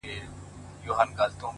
عقل او زړه يې په کعبه کي جوارې کړې ده”